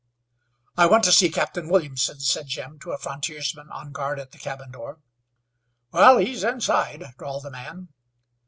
"I want to see Captain Williamson," said Jim to a frontiersman on guard at the cabin door. "Wal, he's inside," drawled the man.